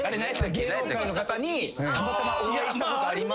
芸能界の方にたまたまお会いしたことありますかって。